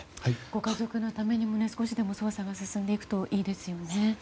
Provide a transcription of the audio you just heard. ご家族のためにも少しでも捜査が進んでいくといいですね。